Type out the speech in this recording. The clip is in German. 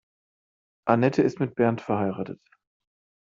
Anette ist mit Bernd verheiratet.